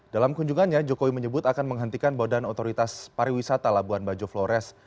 dalam kunjungannya jokowi menyebut akan menghentikan badan otoritas pariwisata labuan bajo flores